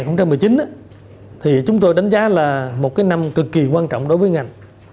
năm hai nghìn một mươi chín thì chúng tôi đánh giá là một cái năm cực kỳ quan trọng đối với ngành